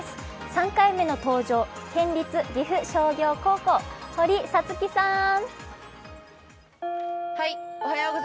３回目の登場、県立岐阜商業高校、堀早槻さん！